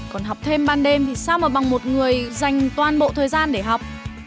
còn học thêm ban đêm thì sao mà bằng một người dành toàn bộ thời gian để học